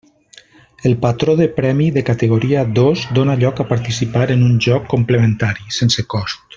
El patró de premi de categoria dos dóna lloc a participar en un joc complementari, sense cost.